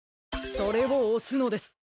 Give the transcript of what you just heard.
それをおすのです。